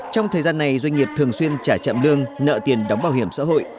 trong thời gian này doanh nghiệp thường xuyên trả chậm lương nợ tiền đóng bảo hiểm xã hội